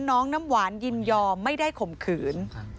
น้ำหวานยินยอมไม่ได้ข่มขืน